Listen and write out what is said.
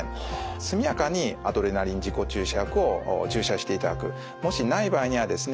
速やかにアドレナリン自己注射薬を注射していただく。もしない場合にはですね